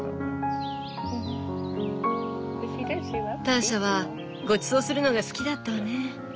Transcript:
ターシャはごちそうするのが好きだったわね。